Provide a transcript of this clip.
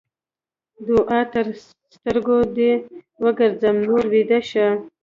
دوعا؛ تر سترګو دې وګرځم؛ نور ويده شه.